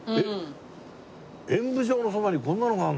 演舞場のそばにこんなのがあるの？